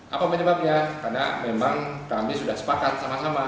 apa penyebabnya karena memang kami sudah sepakat sama sama